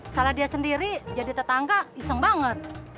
salah dia sendiri jadi tetangga iseng banget